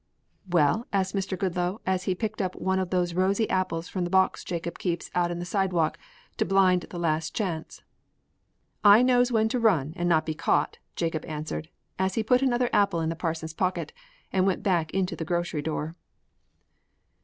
"'Well?' asked Mr. Goodloe, as he picked up, one of those rosy apples from the box Jacob keeps out on the sidewalk to blind the Last Chance. "'I knows when to run and not be caught,' Jacob answered, as he put another apple in the parson's pocket and went back into the grocery door."